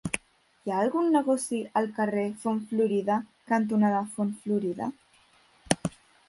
Hi ha algun negoci al carrer Font Florida cantonada Font Florida?